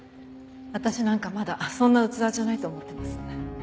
私なんかまだそんな器じゃないと思ってます。